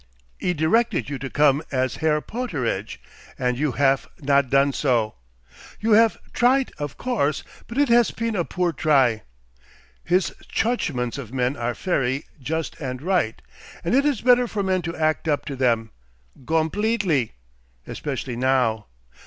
He directed you to come as Herr Pooterage, and you haf not done so. You haf triet, of course; but it has peen a poor try. His chugments of men are fery just and right, and it is better for men to act up to them gompletely. Especially now.